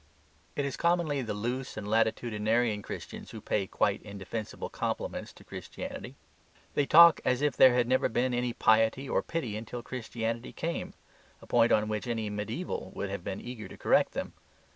It is commonly the loose and latitudinarian Christians who pay quite indefensible compliments to Christianity. They talk as if there had never been any piety or pity until Christianity came, a point on which any mediaeval would have been eager to correct them.